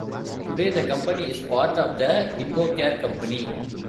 Today the company is part of the InvoCare company.